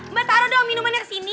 mba taruh dong minumannya kesini